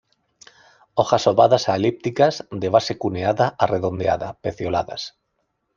Hojas ovadas a elípticas, de base cuneada a redondeada, pecioladas.